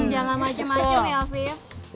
jangan macem macem ya afif